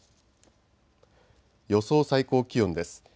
予想最高気温です。